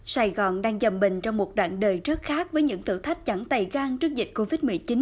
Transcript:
sài gòn đang dầm mình trong một đoạn đời rất khác với những thử thách chẳng tài gan trước dịch covid một mươi chín